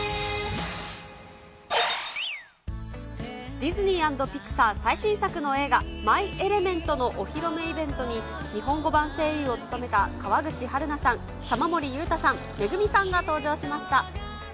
ディズニー＆ピクサー最新作の映画、マイ・エレメントのお披露目イベントに、日本語版声優を務めた川口春奈さん、玉森裕太さん、メグミさんが登場しました。